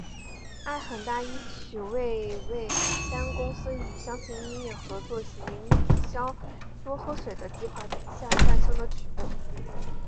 爱很大一曲为味丹公司与相信音乐合作行销多喝水的计划下诞生的曲目。